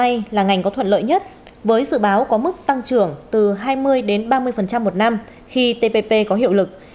tpp có thuận lợi nhất với dự báo có mức tăng trưởng từ hai mươi đến ba mươi một năm khi tpp có hiệu lực